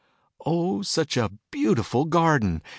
Oh, such a beautiful garden